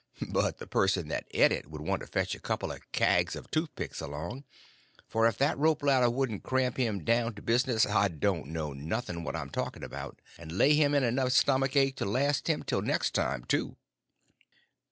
But the person that et it would want to fetch a couple of kags of toothpicks along, for if that rope ladder wouldn't cramp him down to business I don't know nothing what I'm talking about, and lay him in enough stomach ache to last him till next time, too.